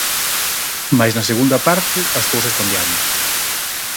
Mais na segunda parte, as cousas cambiaron.